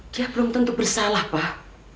dia belum tentu bersalah pak